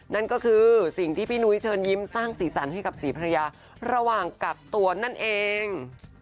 นั่นก็คือสิ่งที่พี่นุ้ยเชิญยิ้มสร้างสีสันให้กับศรีภรรยาระหว่างกักตัวนั่นเอง